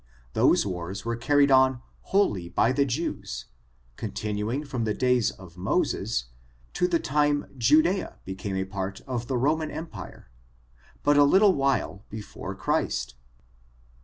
Those wars were carried on wholly by the Jews, continuing from the days of Moses, to the time Judea became a part of the Roman empire, but a little while before Christ.